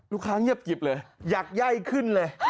ลูกค้าง่ีบเลยยักย์ไย่ขึ้นเลย